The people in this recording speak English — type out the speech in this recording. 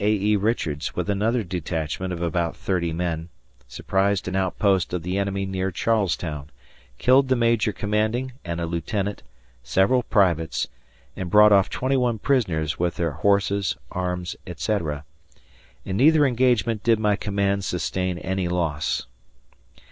A. E. Richards, with another detachment of about 30 men, surprised an outpost of the enemy near Charles Town, killed the major commanding and a lieutenant, several privates, and brought off 21 prisoners with their horses, arms, etc. In neither engagement did my command sustain any loss.